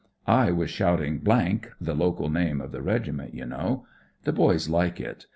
I was shouting , the local name of the reghnent, you know. The boys like it.